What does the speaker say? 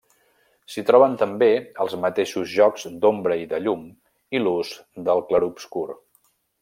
S'hi troben també els mateixos jocs d'ombra i de llum i l'ús del clarobscur.